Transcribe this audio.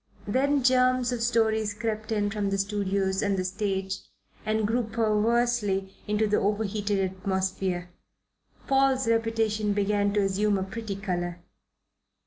Then germs of stories crept in from the studios and the stage and grew perversely in the overheated atmosphere. Paul's reputation began to assume a pretty colour.